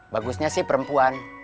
bagusnya sih perempuan